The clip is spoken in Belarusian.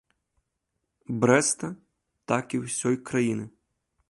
Брэста, так і ўсёй краіны.